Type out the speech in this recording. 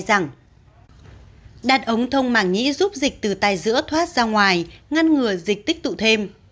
đặt ống thông màng nhí giúp dịch từ tay giữa thoát ra ngoài ngăn ngừa dịch tích tụ thêm